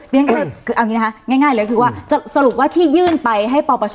เอางี้นะคะง่ายง่ายเลยคือว่าสรุปว่าที่ยื่นไปให้ปบ๕